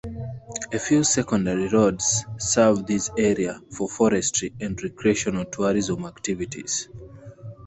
A few secondary roads serve this area for forestry and recreational tourism activities.